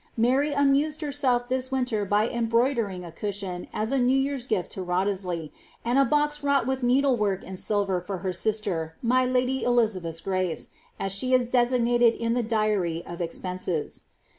Mary amused herself this winter by em broidering a cushion as a New year^s gift to Wriothesley, and a bos wrought with needlework in silver for her sister, ^ my lady Elizabeth^ grace,'' as she is designated in the diary of expenses.